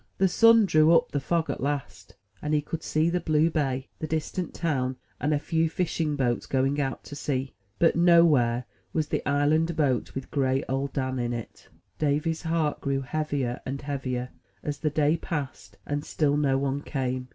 The sun drew up the fog at last; and he could see the blue bay, the distant town, and a few fishing boats going out to sea. But nowhere was the island boat with gray Old Dan in it. Davy's heart grew heavier and heavier, as the day passed, and still no one came.